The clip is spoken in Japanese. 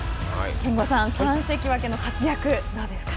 憲剛さん、三関脇の活躍、どうですか。